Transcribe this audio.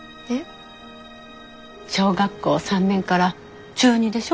小学校３年から中２でしょ？